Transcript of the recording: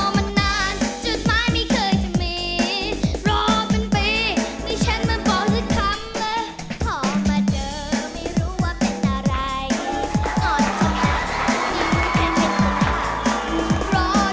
วันนี้จะมาเปิดโชว์เปิดศึกกันนะครับในบทเพลง